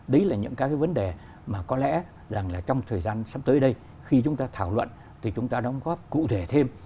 đấy là những cái vấn đề mà có lẽ rằng là trong thời gian sắp tới đây khi chúng ta thảo luận thì chúng ta đóng góp cụ thể thêm